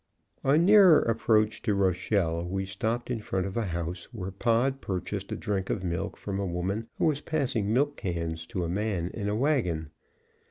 On nearer approach to Rochelle, we stopped in front of a house where Pod purchased a drink of milk of a woman who was passing milk cans to a man in a wagon.